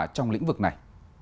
trong lĩnh vực này